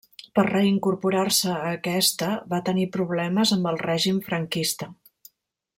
Per reincorporar-se a aquesta va tenir problemes amb el règim franquista.